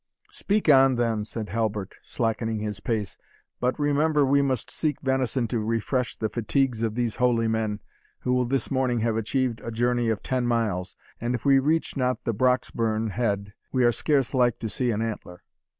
"Speak on then," said Halbert, slackening his pace, "but remember we must seek venison to refresh the fatigues of these holy men, who will this morning have achieved a journey of ten miles; and if we reach not the Brocksburn head we are scarce like to see an antler."